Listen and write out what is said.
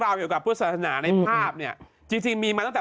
เกี่ยวกับพุทธศาสนาในภาพเนี่ยจริงจริงมีมาตั้งแต่